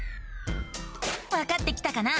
わかってきたかな？